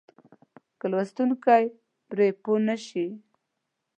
که لوستونکی پرې پوه نه شي.